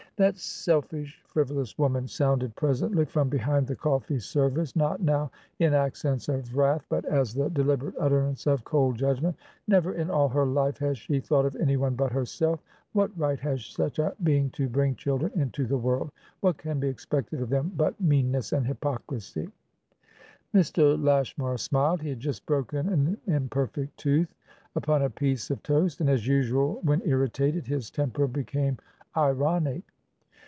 "That selfish, frivolous woman!" sounded presently from behind the coffee service, not now in accents of wrath, but as the deliberate utterance of cold judgment. "Never in all her life has she thought of anyone but herself. What right has such a being to bring children into the world? What can be expected of them but meanness and hypocrisy?" Mr. Lashmar smiled. He had just broken an imperfect tooth upon a piece of toast, and, as usual when irritated, his temper became ironic.